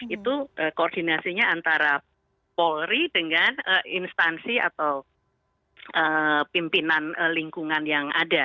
itu koordinasinya antara polri dengan instansi atau pimpinan lingkungan yang ada